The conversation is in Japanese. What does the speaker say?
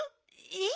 えっ。